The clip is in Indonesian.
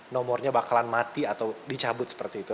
nomornya bakalan mati atau dicabut seperti itu